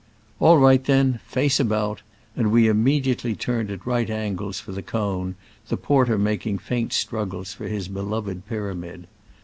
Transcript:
"All right, then: face about ;" and we immediately turned at right angles for the cone, the porter making faint struggles for his beloved pyramid.